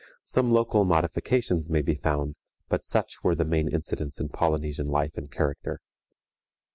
Some local modifications may be found, but such were the main incidents in Polynesian life and character.